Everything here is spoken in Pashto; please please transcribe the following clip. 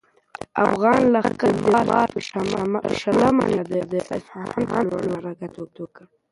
افغان لښکر د مارچ په شلمه نېټه د اصفهان پر لور حرکت وکړ.